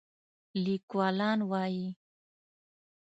لیکوالان وايي